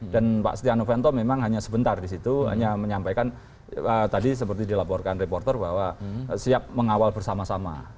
dan pak setia novanto memang hanya sebentar di situ hanya menyampaikan tadi seperti dilaporkan reporter bahwa siap mengawal bersama sama